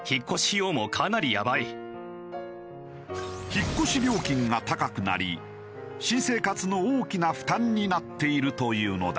引っ越し料金が高くなり新生活の大きな負担になっているというのだ。